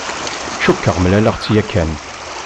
Cukkeɣ mlaleɣ-tt yakan.